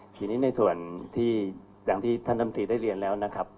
ทีนี้ในส่วนที่ท่านดำตรีได้เรียนแล้วนะครับ